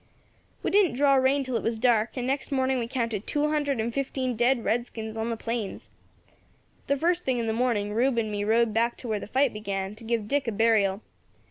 "We didn't draw rein till it was dark, and next morning we counted two hundred and fifteen dead redskins on the plains. The first thing in the morning, Rube and me rode back to where the fight began, to give Dick a burial.